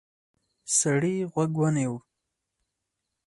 سړی غوږ ونیو.